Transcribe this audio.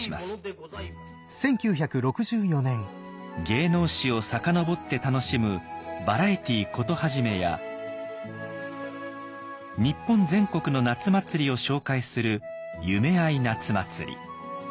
芸能史を遡って楽しむ「バラエティ事始め」や日本全国の夏祭りを紹介する「夢あい夏祭り」。